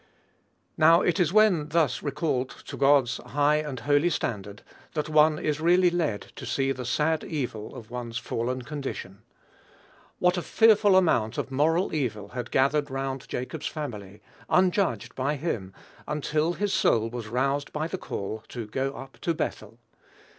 Now, it is when thus recalled to God's high and holy standard, that one is really led to see the sad evil of one's fallen condition. What a fearful amount of moral evil had gathered round Jacob's family, unjudged by him, until his soul was roused by the call to "go up to Bethel."